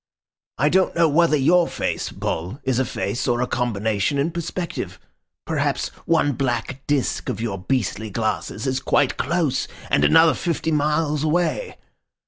I don't know whether your face, Bull, is a face or a combination in perspective. Perhaps one black disc of your beastly glasses is quite close and another fifty miles away.